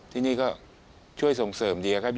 ที่นี่ก็ช่วยส่งเสริมเดีย